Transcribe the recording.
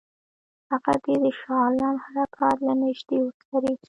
هغه دې د شاه عالم حرکات له نیژدې وڅاري.